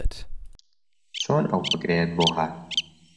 چۆن ئەو فکرەیەت بۆ ھات؟